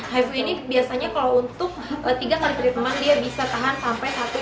hifu ini biasanya kalau untuk tiga kali treatment dia bisa tahan sampai satu dan dua tahun